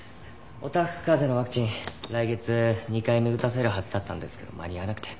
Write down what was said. おたふくかぜのワクチン来月２回目打たせるはずだったんですけど間に合わなくて。